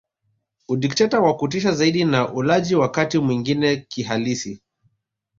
Udikteta wa kutisha zaidi na ulaji wakati mwingine kihalisi